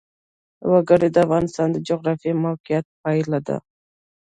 وګړي د افغانستان د جغرافیایي موقیعت پایله ده.